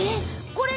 これ。